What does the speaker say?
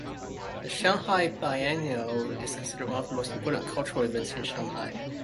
The Shanghai Biennale is considered one of the most important cultural events in Shanghai.